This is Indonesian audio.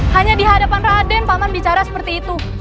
hanya di hadapan raden paman bicara seperti itu